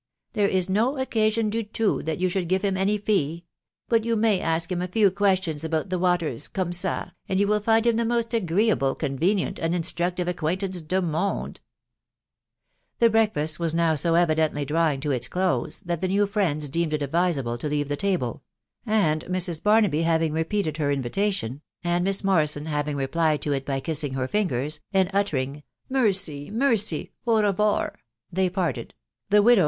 There is no occa sion do too that you should give liim any fee ; but you may ask him a few questions about the waters cum ea, and you will find him the most agreeable, convenient, and instructive ac quaintance do mund" The breakfast was now so evidently drawing to its close, that the new friends deemed it advisable to leave the table ; and Mrs. Barnaby having repeated her invitation, and Miss Morrison having replied to it by kissing her fingers, and utter ing u Mercy I Mercy ! O revor" they patted .%•, tba 'tojIw 288 THE WIDOW BARNABY.